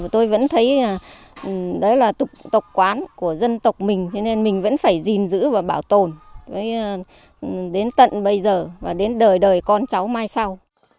tôi vẫn thấy đấy là tục tập quán của dân tộc mình cho nên mình vẫn phải gìn giữ và bảo tồn đến tận bây giờ và đến đời đời con cháu mai sau